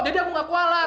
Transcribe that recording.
jadi agung nggak kualan